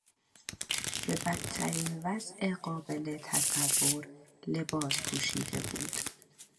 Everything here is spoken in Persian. به بدترین وضع قابل تصور لباس پوشیده بود.